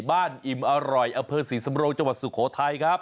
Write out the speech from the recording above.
อิ่มอร่อยอำเภอศรีสำโรงจังหวัดสุโขทัยครับ